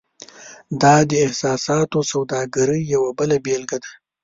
دا د احساساتو سوداګرۍ یوه بیلګه ده.